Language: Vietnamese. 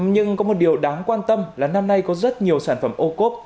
nhưng có một điều đáng quan tâm là năm nay có rất nhiều sản phẩm ô cốp